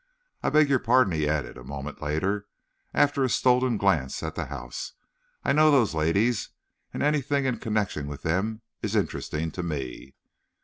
"I beg your pardon," he added, a moment later, after a stolen glance at the house. "I know those ladies, and anything in connection with them is interesting to me."